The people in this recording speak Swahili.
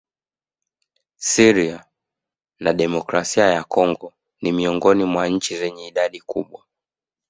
Syria na demokrasia ya Kongo ni miongoni mwa nchi zenye idadi kubwa